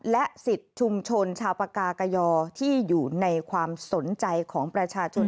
และสิทธิ์ชุมชนชาวปากากยอที่อยู่ในความสนใจของประชาชน